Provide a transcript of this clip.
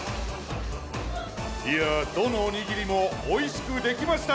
いやどのおにぎりもおいしくできました。